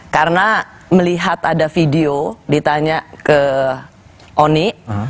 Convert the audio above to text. karena melihat ada video ditanya ke oni